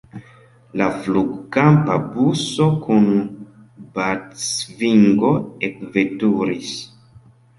La flugkampa buso kun batsvingo ekveturis.